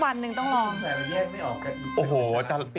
วันนี้ไปก่อนแล้วนะครับ